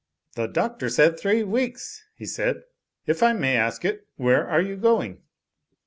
"The Doctor said three weeks," he said. "If I may ask it, where are you going?"